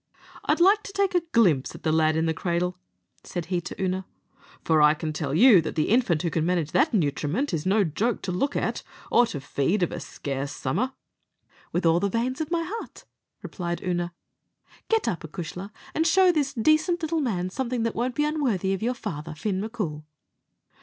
"I'd like to take a glimpse at the lad in the cradle," said he to Oonagh; "for I can tell you that the infant who can manage that nutriment is no joke to look at, or to feed of a scarce summer." "With all the veins of my heart," replied Oonagh; "get up, acushla, and show this decent little man something that won't be unworthy of your father, Fin M'Coul."